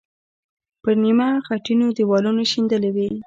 پر نیمه خټینو دیوالونو شیندلې وې.